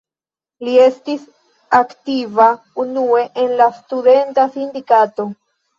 Li estis aktiva unue en la studenta sindikato.